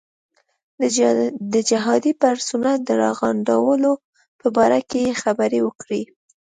د جهادي پرسونل د راغونډولو په باره کې یې خبرې وکړې.